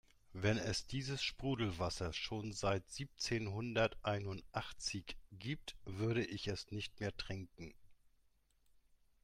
Wenn es dieses Sprudelwasser schon seit siebzehnhunderteinundachtzig gibt, würde ich es nicht mehr trinken.